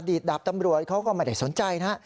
ดาบตำรวจเขาก็ไม่ได้สนใจนะฮะ